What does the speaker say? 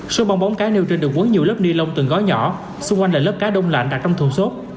số bóng bóng cá nêu trên được quấn nhiều lớp ni lông từng gói nhỏ xung quanh là lớp cá đông lạnh đặt trong thùng sốt